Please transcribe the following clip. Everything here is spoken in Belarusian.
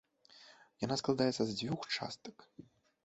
Яна складаецца з дзвюх частак.